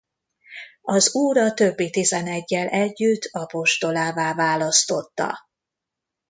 Az Úr a többi tizeneggyel együtt apostolává választotta.